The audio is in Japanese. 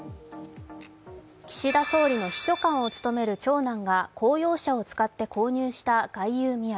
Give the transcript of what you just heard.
岸田総理の秘書官を務める長男が公用車を使って購入した外遊土産。